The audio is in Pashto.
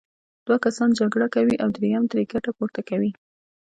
دوه کسان جګړه کوي او دریم ترې ګټه پورته کوي.